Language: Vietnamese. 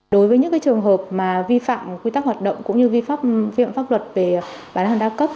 đối với những trường hợp vi phạm quy tắc hoạt động cũng như vi phạm pháp luật về bán hàng đa cấp